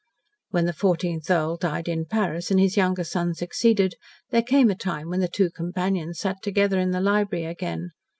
When the fourteenth Earl died in Paris, and his younger son succeeded, there came a time when the two companions sat together in the library again.